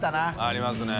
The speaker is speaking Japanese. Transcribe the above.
ありますね。